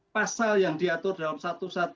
pasal yang diatur dalam satu ratus empat belas a dua